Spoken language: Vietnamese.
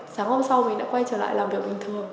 sáng hôm sau mình đã quay trở lại làm việc bình thường